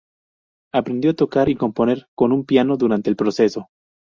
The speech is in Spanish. Aprendió a tocar y componer con un piano durante el proceso.